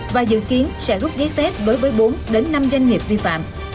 và dự kiến sẽ rút giấy xét đối với bốn năm doanh nghiệp vi phạm